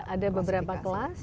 ada beberapa kelas